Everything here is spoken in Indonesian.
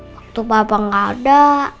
waktu papa gak ada